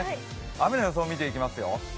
雨の予想を見ていきますよ。